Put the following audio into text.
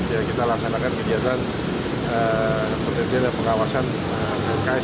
ya kita laksanakan kegiatan penerja dan pengawasan pnks